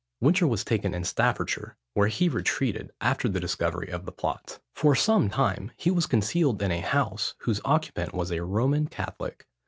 Winter was taken in Staffordshire, where he retreated after the discovery of the plot. For some time, he was concealed in a house, whose occupant was a Roman Catholic.